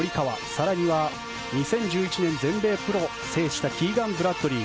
更には２０１１年全米プロを制したキーガン・ブラッドリー。